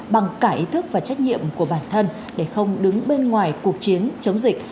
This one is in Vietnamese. bằng cả ý thức và trách nhiệm của bản thân để không đứng bên ngoài cuộc chiến chống dịch